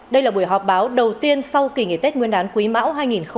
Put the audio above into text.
đây là buổi họp báo đầu tiên sau kỳ nghỉ tết nguyên đán quý mão hai nghìn hai mươi